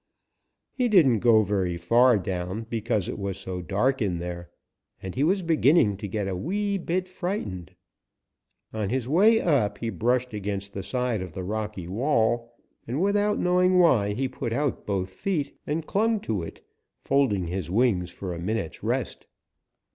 "He didn't go very far down, because it was so dark in there, and he was beginning to get a wee bit frightened. On his way up he brushed against the side of the rocky wall and without knowing why, he put out both feet and clung to it, folding his wings for a minute's rest.